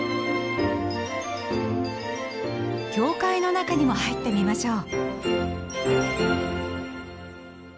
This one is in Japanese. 教会の中にも入ってみましょう。